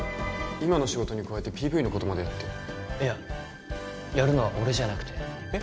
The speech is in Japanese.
今の仕事に加えてＰＶのことまでやっていややるのは俺じゃなくてえっ？